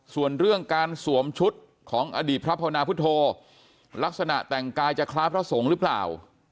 ส่วนเรื่องการสวมชุดของอดีตพระพวนาพุทธโธลักษณะแต่งกายจะคล้ายพระสงฆ์หรือเปล่า